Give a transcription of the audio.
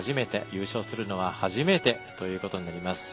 優勝するのは初めてということになります。